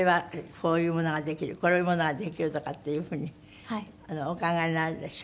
こういうものができるとかっていう風にお考えになるんでしょ？